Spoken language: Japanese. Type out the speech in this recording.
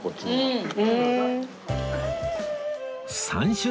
うん。